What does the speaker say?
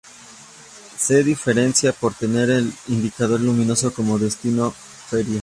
Se diferencia por tener en el indicador luminoso como destino "Feria".